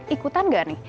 ikutan tidak nih